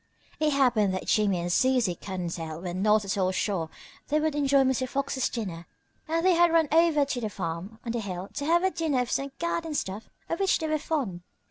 It happened that Jimmie and Susie Cottontail were not at all sure they would enjoy Mr. Fox's dinner, and they had run over to the farm on the hill to have a dinner of some garden stuff of which they were fond.